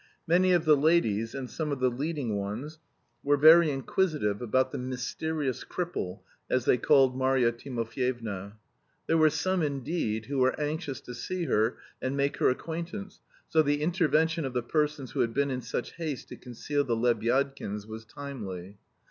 Many of the ladies (and some of the leading ones) were very inquisitive about the "mysterious cripple," as they called Marya Timofyevna. There were some, indeed, who were anxious to see her and make her acquaintance, so the intervention of the persons who had been in such haste to conceal the Lebyadkins was timely.